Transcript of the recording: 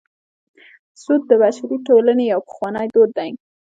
سود د بشري ټولنې یو پخوانی دود دی